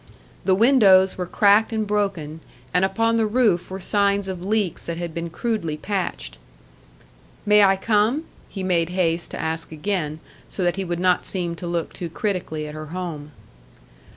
The windows were cracked and broken, and upon the roof were signs of leaks that had been crudely patched. "May I come?" he made haste to ask again so that he would not seem to look too critically at her home.